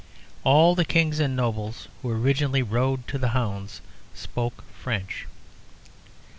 All the Kings and nobles who originally rode to hounds spoke French.